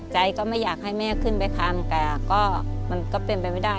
ใจก็ไม่อยากให้แม่ขึ้นไปทำก็เป็นไปไม่ได้